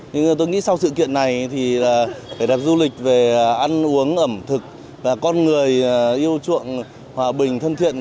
nhưng tôi nghĩ sau sự kiện này thì vẻ đẹp du lịch về ăn uống ẩm thực và con người yêu chuộng hòa bình thân thiện